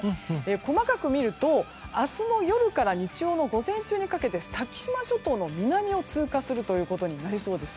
細かく見ると明日の夜から日曜の午前中にかけて先島諸島の南を通過するということになりそうです。